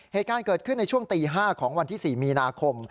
เหตุการณ์เกิดขึ้นในช่วงตี๕ของวันที่๔มีนาคม